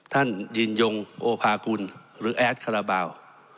ท่านยืนยงโอภากุลหรือแอดคาราบาล